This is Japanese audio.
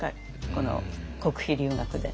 この国費留学で。